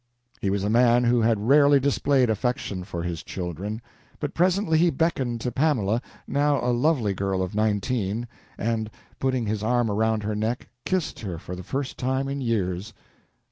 He was a man who had rarely displayed affection for his children. But presently he beckoned to Pamela, now a lovely girl of nineteen, and, putting his arm around her neck, kissed her for the first time in years.